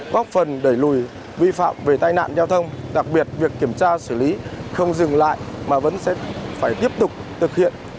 góp phần đẩy lùi vi phạm về tai nạn giao thông đặc biệt việc kiểm tra xử lý không dừng lại mà vẫn sẽ phải tiếp tục thực hiện